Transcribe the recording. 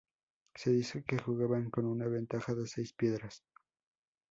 Se dice que jugaban con una ventaja de seis piedras.